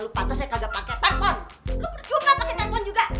lu pernah juga pakai telepon juga